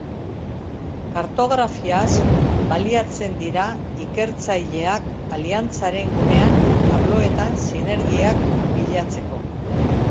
Kartografiaz baliatzen dira ikertzaileak aliantzaren guneen arloetan sinergiak bilatzeko.